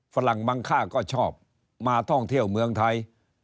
ฝรั่งบางค่าก็ชอบมาท่องเที่ยวเมืองไทย